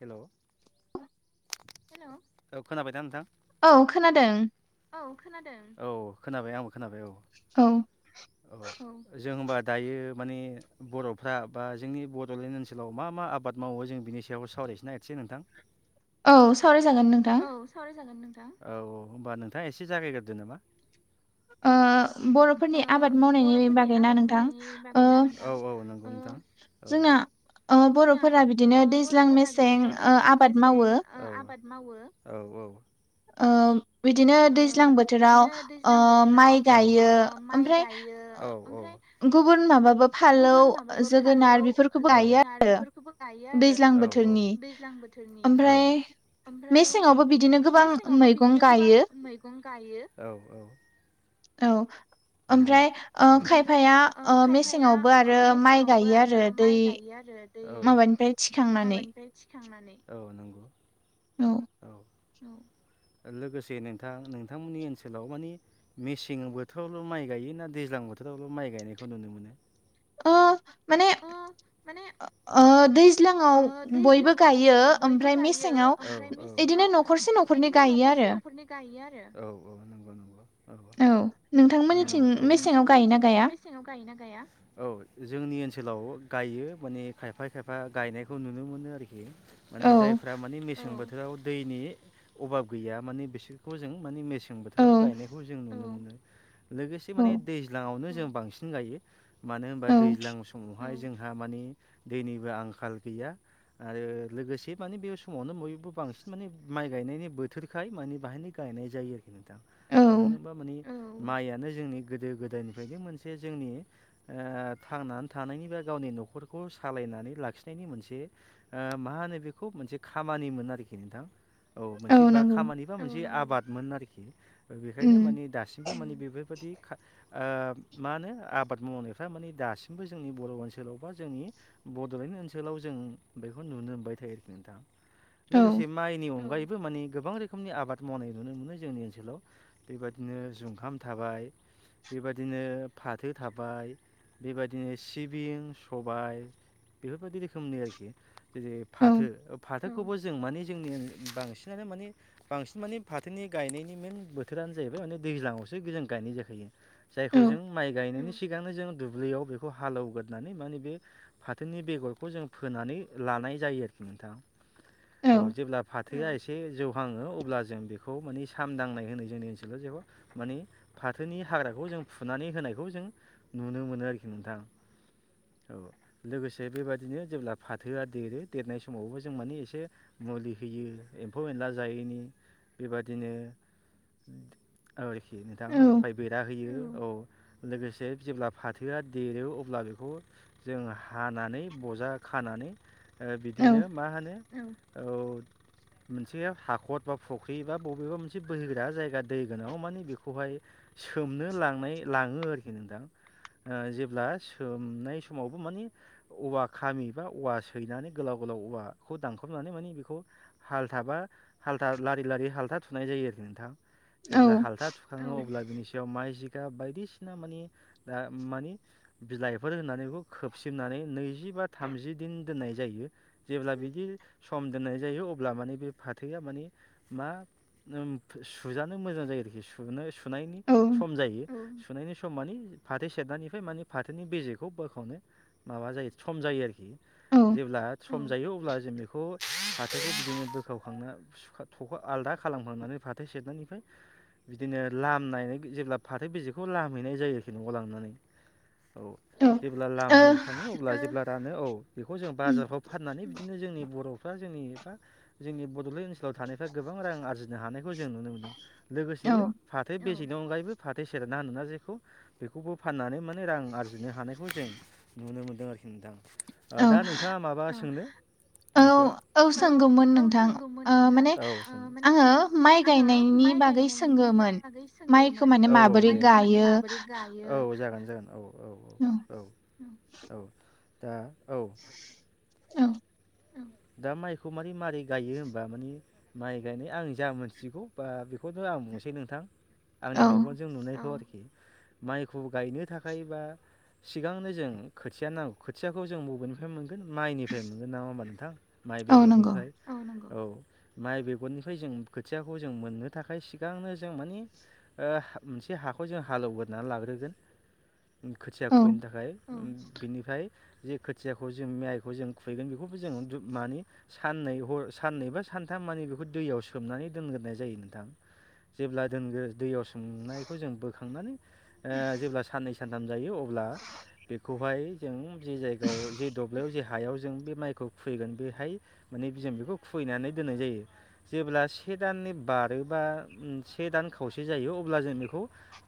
Hello hello खोनाबाय दा नोंथां औ खोनादों औ खोनाबाय आंबो खोनाबाय औ औ औ जों होनबा दायो माने बर'फ्रा बा जोंनि बड'लेण्ड ओनसोलाव मा मा आबाद मावो जों बिनि सायाव सावराय नोसै ना एसे नोंथां औ सावराय औ सावरायजागोन नोंथां औ औ होनोमबा नोंथाङा एसे जागायग्रोदो नामा ओ बर'फोरनि आबाद मावनायनि बागैना नोंथां ओ जोंना ओ बर'फोरा बिदिनो दैज्लां मेसें ओ आबाद मावो मावो औ औ ओ बिदिनो दैज्लां बोथोराव ओ माइ गायो यो ओमफ्राय गुबन माबाबो फानलौ जोगोनार बेफोरखौ जोगोनार बेफोरखौबो गायो आरो औ औ दैज्लां बोथोरनि औ मेसेङावबो बिदिनो गोबां आवबो बिदिनो गोबां मैगं गायो औ औ औ ओमफ्राय ओ खायफाया ओ मेसेङावबो आरो माइ गायो आरो दै माबानिफ्राय थिखांनानै थांनानै औ नंगौ औ औ लोगोसे नोंथां नोंथांमोननि ओनसोलाव मानि मेसें बोथोर बोथोरावल' माइ गायोना दैज्लां बोथोरावल' माइ गायनायखौ नुनो मोनो अ माने ओ दै ज्लाङाव बयबो गायो ओमफ्राय मेसेङाव बिदिनो न'खरसे न'खरनै गायो आरो से न'खरनै गायो आरो औ औ नंगौ नंगौ औ नोंथां नोंथांमोननिथिं मेसेङाव गायोना गाया औ जोंनि ओनसो लाव गायो माने खायफा खायफा गायनायखौ नुनो मोनो आरो माने जायफ्रा माने मेसें बोथोर राव दैनि अभाब गैया माने बिसोरखौ जों माने मे सें बोथोराव गायनायखौ जों नुनो मोनो लोगोसे माने दैज्लांआवनो जों बांसिन गायो मानो होनबा दैज्लां समाव हाय जोंहा मानि दैनिबो आं खाल गैया आरो लोगोसे माने बे समावनो मयबो बांसिन माने माइ गायनायनि बोथोरखा खाय माने बाहायनो गायनाय जायो आरोखि नोंथां मानो होनबा मानि औ माइयानो जोंनि गोदो गोदायनिफ्रायनो मोनसे जोंनि ओ थांनानै थानायनि बा गावनि न'खरखौ सालायनानै लाखि नि मोनसे ओ मा होनो बेखौ मोनसे खामानिमोन आरोखि नोंथां औ मोनसे बा खामानिबा मोनसे आबादमोन आरोखि बेखायनो माने दासिमबो माने बेफोरबादि ओ मा होनो आबाद मावनायफ्रा माने दासिमबो जोंनि बर' ओनसोलाव बा जोंनि बड'लेण्ड ओनसोलाव जों बेखौ नुनो मोनबाय थायो आरोखि नोंथाङा लोगोसे माइनि अनगायैबो बेबो माने गोबां रोखोमनि आबाद मावनाय नुनो मोनो जोंनि ओनसोलाव बेबायदिनो जुंखाम थाबाय बेबायदिनो फाथो थाबाय बेबायदिनो सिबिं सबाय बेफोरबायदि रोखोमनि आरोखि जेरै फाथो फाथो फाथोखौबो जों माने जोंनि बांसिनानो माने बांसिन माने फाथोनि गायनायनि मेन बोथोरानो जायो जबाय मा दैज्लाङावसो जों गायहैगोन जाय जों माइ गायनायनि सिगां जों दुब्लियाव बे हा हाले एवगोरनानै माने बे फाथोनि बेगरखौ बे खौ जों फोनानै लानाय जायो आरोखि नोंथां औ जेब्ला फाथोआ एसे एसे जौहाङो अब्ला जों बेखौ माने सामदांनाय होनो जोंनि ओनसोलाव जेखौ माने फाथोनि हाग्राखौ जों फुनानै होनायखौ जों नुनो मोनो आरोखि नोंथां औ लोगोसे बेबादिनो जेब्ला फाथोआ देरो देरनाय समावबो जों माने एसे मुलि होयो एम्फौ एनला जायैनि बेबादिनो औ आरोखि नोंथां ओमफाय बेरा होयो औ लोगोसे जेब्ला फाथोआ देरो अब्ला बेखौ जों हाना बजा खानानै बिदिनो मा होनो औ मोनसे हाखर बा फुख्रि बा बबेबा मोनसे बोहोग्रा जायगा दै गोनां माने बेखौहाय सोमनो लांनाय लाङो आरोखि नोंथां ओ जेब्ला सोमनाय समावबो माने औवा खामि बा औवा सैनानै गोलाव गोलाव औवाखौ दानखबनानै माने बेखौ हालथाबा हालथा लारि लारि हालथा थुनाय जायो आरोखि नोंथां जेब्ला हालथा थुखाङो अब्ला बिनि सायाव माइ जि बायदिसिना माने दा ओह मानि बिलाइफोर होननानै बेखौ खोबसिबनानै नैजि बा थामजि दोननाय जायो जेब्ला बिदि सम दोननाय जायो अब्ला माने बे फाथोआ माने मा सुजानो मोजां जायो आरोखि सुनो सुनो सुनायनि सम जायो सुनायनि सम मानि फाथो सेरनायनिफ्राय माने फाथोनि बेेखौ बोखावनो माबा जायो सम जायो आरोखि जेब्ला सम जायो अब्ला जों बेखौ फाथोखौ बिदिनो बोखावखांना आलादा खालामखांनानै फाथो सेरनायनिफ्राय बिदिनो लाम नाय जेब्ला फाथो बेेखौ लामहैनाय जायो न'आव लांनानै औ जेब्ला लाम होयो जेब्ला रानो औ बेखौ जों बारफ्राव फाननानै बिदिनो जोंनि बर'फ्रा जोंनि एबा जोंनि बड'लेण्ड ओनसोलाव थानायफ्रा गोबां रां आरजिनो हानायखौ जों नुनो मोनदों लोगोसे फाथो बेजेनि अनगायैबो फाथो सेरना होनना जेखौ बेखौबो फाननानै माने रां आरजिनो हानायखौ जों नुनो मोनदों आरोखि नोंथां दा नोंथाङा माबा सोंनो बिनि सायाव औ सोंगौमोन नोंथां ओह माने आङो माइ गायनायनि बागै सों बागै सोङोमोन औ बेखौ माने माबोरै गायो औ औ औ औ औ दा औ औ [inaudible] दा माइखौ मारै मारै गायो होनबा माने माइ गायनाय आं जा मोनथिगौ बा बेखौथ आं बुंनोसै नोंथां आंनि मेगनजों नुनायखौ आरोखि माइखौ गायनो थाखाय बा सिगांनो जों खोथिया नांगौ खोथियाखौ जों बबेनिफ्राय मोनगोन माइनिफ्राय मोनगोन ना नोंथां माइ बेगरनिफ्राय औ माइ बेगरनिफ्राय जों खोथियाखौ जों मोननो थाखाय सिगांनो जों माने मोनसे हा हाखौ जों हाल एवगोरनानै लाग्रोगोन खोथिया खुबैनो थाखाय बेनिफ्राय जे खोथियाखौ जों माइखौ जों खुबैगोन बेखौ जों माने साननै साननै बा सानथाम मानिे बेखौ दैयाव सोमनानै दोनग्रोनाय जायो नों थां जेब्ला दोनगो ‌दैयाव स सोमनायखौ जों बोखांनानै ओ जेब्ला सनै सानथाम जायों ‌अब्ला बेखौहाय जों जि जायगायाव जि दब्लायाव ‌जि हायाव जों बे माइखौ खुबैगोन बेहाय माने जों बेखौ खुबैनानै दोननाय जायो जेब्ला से दाननि बारै रो बा से दान खावसे जायो अब्ला जों बेखौ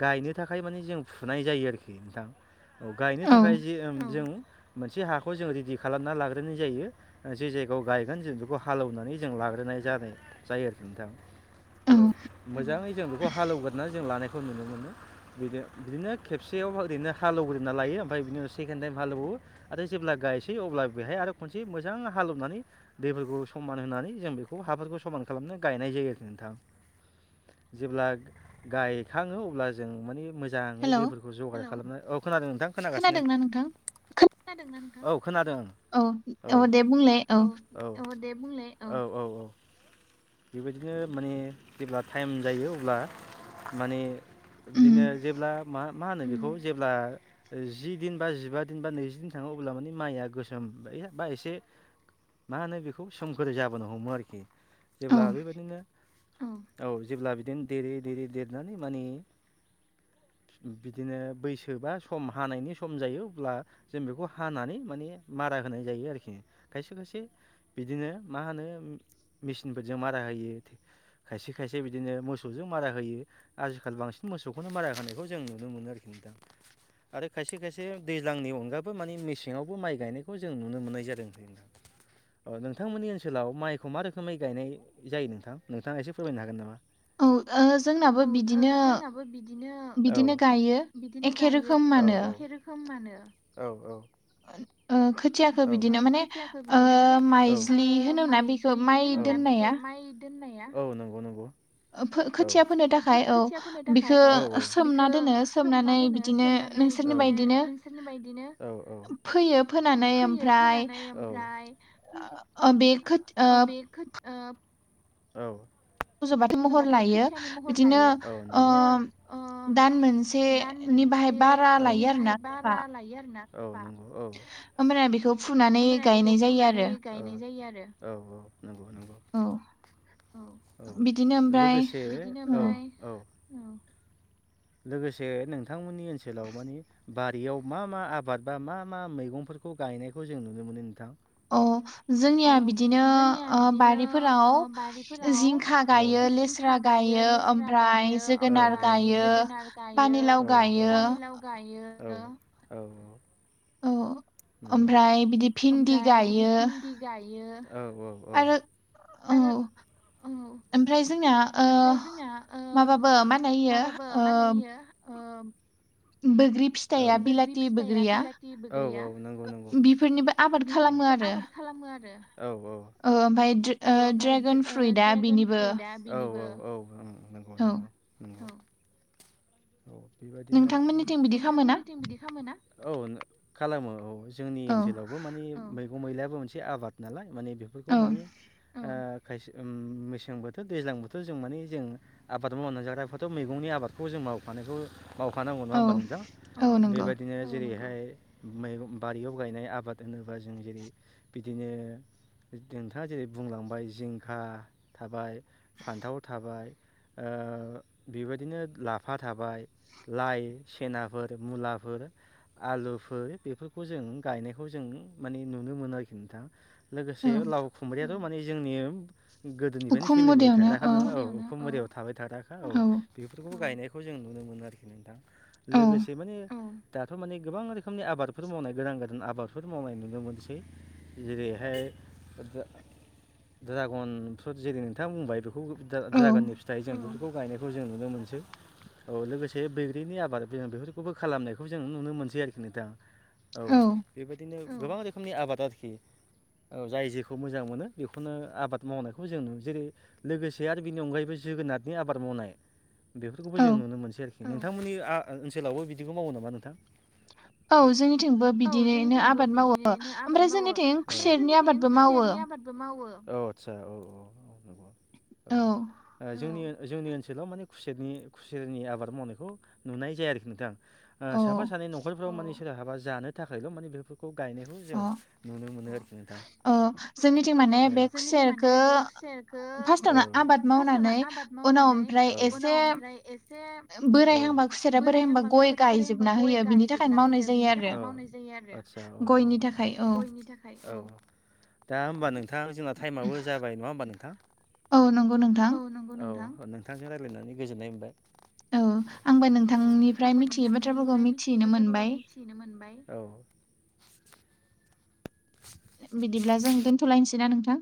गायनो थाखाय माने जों फुनाय जायो आरोखि नोंथां औ गायनो थाखाय ज जों मोनसे हाखौ जों रेडि खालामना लाग्रोनाय जायो जे जायगायाव गायगोन जों बेखौ हालेवनानै जों लाग्रोनाय जानाय जायो आरोखि नोंथां ओ मोजाङै जों बेखौ हालेवगोरनानै जों लानायखौ नुनो मोनो बिदि बिदिनो खेबसे आव ओरैनो हालव्रोनानै लायो मफ्राय बिनि उन सेकण्ड टाइम हालौवो आरो जेब्ला गायसै अब्ला बेहाय आरो खनसे मोजां हालेवनानै दैफोरखौ समान होनानै जों बेखौ हाफोरखौ समान खालामनो गायनाय जायो आरोखि नों थां जेब्ला गायखाङो अब्ला जों मानि मोज जाङै दैफोरखौ जगार खालामनो औ खोनादों नोंथां खोनागासिनो खोनादों ना नोंथां औ खोनादों औ दे बुंलाय औ औ दे बुंलाय औ औ औ बेबायदिनो माने जेब्ला टाइम जायो अब्ला माने बिदिनो जेब्ला मा मा होनो बेखौ जेब्ला जि दिन बा जिबा दिन बा नैजिदिन थाङो अब्ला मानिे माइआ गोसोम जायो बा एसे मा होनो बेखौ सोमखोदै जाबोनो हमो आरोखि जेब्ला बेबायदिनो औ औ जेब्ला बिदिनो देरै देरै देरनानै माने बिदिनो बैसोबा सम हानायनि सम जायो अब्ला जों बेखौ हानानै माने मारा होनाय जायो आरोखि खायसे खायसे बिदिनो मा होनो मेसिनफोरजों मारा होयो खायसे खायसे बिदिनो मोसौजों मारा होयो आजिखााल बांसिन मोसौखौनो मारा होनायखौ जों नुनो मोनो आरोखि नोंथां आरो खायसे खायसे दैज्लांनि अनगबो म मेसेावबो माइ गायनायखौ जों नुनो मोननाय जादों अ नोंथांमोननि ओनसोलाव माइखौ मा रोखोमै गायनाय जायो नोंथां नोंथाङा एसे फोरमायनो हागोन नामा? [inaudible] जोंनाबो बिदिनो बिदिनो गायो एखे रोखोमानो रोखोमानो औ औ [unintelligible] अ खोथियाखौ बिदिनो माने ओ माइज्लि होनो ना बेखौ माइ दोननाया? माय दोननाया औ नंगौ नंगौ ओ फो खोथिया फोनो थाखाय औ बिखौ सोमना दोनो सोमनानै बिदिनो नानै बिदिनो नोंसोरनि बायदिनो फोनानै ओमफ्राय अ बे खोथ अ अ औ फज'बाथि महर लायो बिदिनो अ दान मोनसे मोनसेनि बाहाय बारा लायो आरोना होमबाना बेखौ होमबाना बेखौ फुनानै गायनाय जायो आरो औऔ नंगौ नंगौ औ औ लोगोसे बिदिनो ओमफाय औ औ लोगोसे नोंथांमोननि ओनसोलाव मानि बारियाव मा मा आबाद बा मा मैगं फोरखौ गायनायखौ जों नुनो मोनो नोंथां? अ जोंनिया बिदिनो अ बारिफोराव जिंखा गायो लेस्रा गायो ओमफ्राय जोगोनार गायो बाने लाव गायो औ औ औ ओमफ्राय बिदि भिन्दि गायो औऔ आरो ओमफ्राय जोंना माबाबो मा होयो ओ बग्रि फिथाइआ बिलाथि बग्रिया बेफोरनिबो आबाद खालामो आरो ओमफ्राय ड्रेगन फ्रुइटा बेनिबो औ नंगौ नंगौं। औ बेबायदिनो आरो नोंथांमोननिथिं बिदि खालामो ना औ खालामो जोंनि ओनसोलावबो मानि मैगं मैलायाबो मोनसे आबाद नालाय माने बेफोरखौ मानि खायसे मेसें बोथोर दैज्लां बोथोर जों माने जों आबाद मावनानै जाग्रा एाथ' मैगंनि आबखौ जों मावखानायखौ मावखानांगौ नङा होमबा नोंथां बेबायदिनो जेरैहाय मैगं बारियाव गायनाय आबाद होनोब्ला जों जेरै बिदिनो नोंथाङा जेरै बुंलांबाय जिंखा थाबाय फान्थाव थाबाय बेबायदिनो लाफा थाबाय लाइ सनाफोर मुलाफोर आलुफोर बेफोरखौ जों गायनायखौ जों माने नुनो मोनो आरोखि नोंथाङा लोगोसे लाव खुम्ब्रियाथ' माने जोंनि गोदोनिफ्रायनो सोलिबाय थाग्रााख नङा औखुमुरियाव थाबाय थादाखा औ बेफोरखौबो गायनायखौ जों नुनो मोनो आरोखि नोंथां लोगोसे माने दाथ' माने गोबां रोखोमनि आबाद बेफोर मावनाय गोदान गोदान आबादफोर मावनाय नुनो मोनसै जेरैहाय ड्रागनफ्र जेरै नोंथाङा बुंबाय बे ड्रागननि फिथाइ जों बेफोरखौ गायनायखौ जों नुनो मोनो औ लोगोसे बैग्रिनि आबाद ज बेफोरखौबो खालामनायखौबो जों नुनो मोनसै आरोखि नोंथां। औ बेबायदिनो गोबां रोखोमनि आबाद आरोखि औ जाय जेखौ मोजां मोनो बेखौनो आबाद मावनायखौबो जों नुयो जेरै लोगोसे आरो बिनि अनगायैबो जों जोगोनारनि आबाद मावनाय बेफोरखौबो जों नुनो मोनसै आरोखि नोंथांमोननि ओनसोलावबो बिदिखौ मावो नामा नोंथां औ जोंनिथिंबो बिदिनोनो आबाद मावो ओमफ्राय जोंनिथिं खुसेरनि आबाद आसा औ औगौ जोंनि जोंनि ओनसोलाव माने खुसेरनि खुसेरनि आबाद मावनायखौ नुनाय जाया आरोखि नोंथांं साफा सानै न'खरफ्राव माने सोरबहाबा जानो थाखायल' माने बे खौ गायनायखौ जों नुनो मोनो आरोखि नोंथां औ जोंनिथिं माने बे खुसेरखौ फार्स्टआवनो आबाद मावनानै उनाव ओमफ्राय एसे बोरायहांबा खुसेरा बोरायहांबा गय गायजोबना होयो बिनि थाखायनो मावनाय जायो थाखाय ज थाखाय दा हबा नों नोंथां जोंना थाइमाबबो जाबाय नङा होमबा नोंथां? औ नंगौ नोंथां अ नोंथांजों राय्लायनानै गोजोननाय मोनबाय औ आंबो नोंथांनिफ्राय मिथियै बाथ्राफोरखौ मिथिनो मोनबाय नो मोनबाय औ बिदिब्ला जों दोनथ'लायनोसै ना नोंथां